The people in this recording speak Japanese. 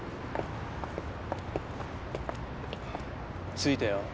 着いたよ